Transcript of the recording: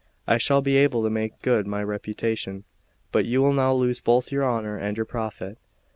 I shall be able to make good my reputation; but you will now lose both your honour and your profit.